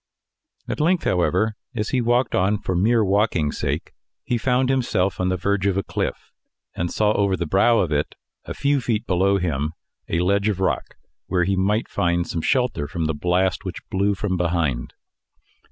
At length, however, as he walked on for mere walking's sake, he found himself on the verge of a cliff, and saw, over the brow of it, a few feet below him, a ledge of rock, where he might find some shelter from the blast, which blew from behind.